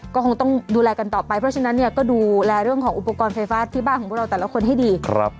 ก็คงต้องดูแลกันต่อไปเพราะฉะนั้นเนี่ยก็ดูแลเรื่องของอุปกรณ์ไฟฟ้าที่บ้านของพวกเราแต่ละคนให้ดี